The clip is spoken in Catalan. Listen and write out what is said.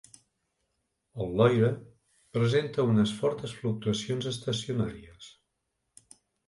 El Loira presenta unes fortes fluctuacions estacionàries.